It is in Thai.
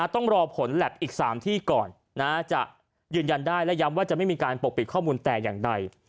ต้องรอผลแล็บอีก๓ที่ก่อนจะยืนยันได้และย้ำว่าจะไม่มีการปกปิดข้อมูลแต่อย่างใด